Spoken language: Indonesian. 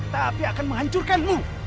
tapi akan menghancurkanmu